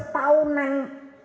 dua ratus tahun yang